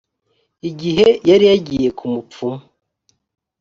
igihe yari yagiye ku mupfumu